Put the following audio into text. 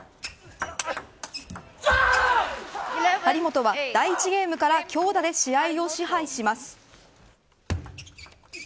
張本は第１ゲームから強打で試合を支配します。